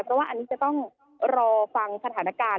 เพราะว่าอันนี้จะต้องรอฟังสถานการณ์